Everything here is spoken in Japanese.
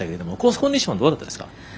コンディションどうだったですか。